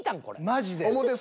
マジで。